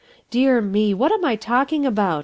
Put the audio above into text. Dear me! What am I talking about ?